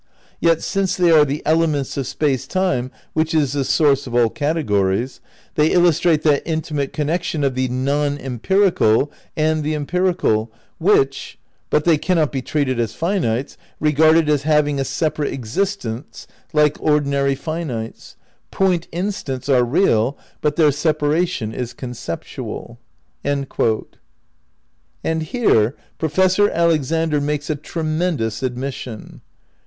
Yet since they are the ele ments of Space Time which is the source of all categories, they illustrate that intimate connection of the non empirical and the em pirical which. ... But they cannot be treated as finites, regarded as having a separate existence like ordinary finites. ... Point instants are real but their separation is conceptual." And here Professor Alexander makes a tremendous admission.